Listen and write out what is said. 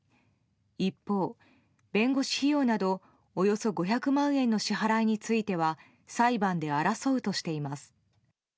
一方、弁護士費用などおよそ５００万円の支払いについては裁判で争うとしています。